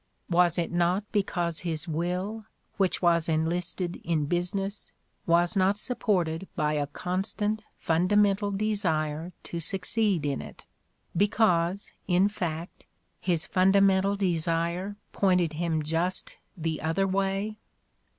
Was it not because his will, which was enlisted in business, was not supported by a constant, funda mental desire to succeed in it, because, in fact, his fundamental desire pointed him just the other way?